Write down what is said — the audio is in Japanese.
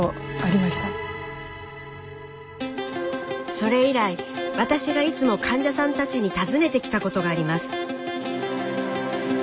それ以来私がいつも患者さんたちに尋ねてきたことがあります。